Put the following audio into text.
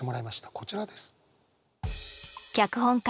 こちらです。